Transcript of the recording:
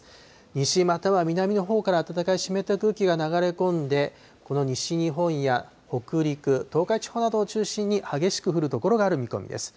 西、または南のほうから暖かい湿った空気が流れ込んで、この西日本や北陸、東海地方などを中心に激しく降る所がある見込みです。